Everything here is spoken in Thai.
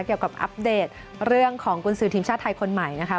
อัปเดตเรื่องของกุญสือทีมชาติไทยคนใหม่นะคะ